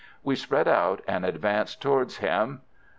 We spread out and advanced towards him.